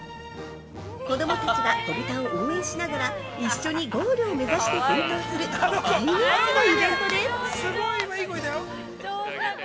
子供たちが子豚を応援しながら一緒にゴールを目指して奮闘する大人気のイベントです！